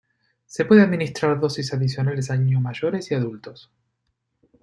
Se pueden administrar dosis adicionales a niños mayores y adultos.